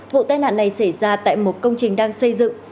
vụ tai nạn này xảy ra tại một công trình đang xây dựng